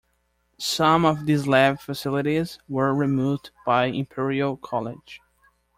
Some of these lab facilities were removed by Imperial College.